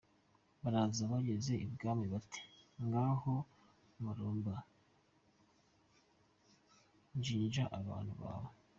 Baraza, bageze ibwami bati "Ngaho Marumba shinja abantu bawe".